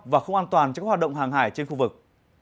và không an toàn cho các hoạt động hàng hải trên khu vực